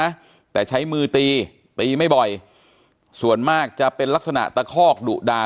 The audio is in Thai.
นะแต่ใช้มือตีตีไม่บ่อยส่วนมากจะเป็นลักษณะตะคอกดุดา